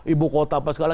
ibu kota apa segala